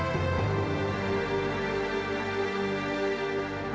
di rumah saya